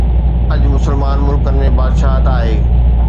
اڄ مسلمان ملڪن ۾ بادشاهت آهي.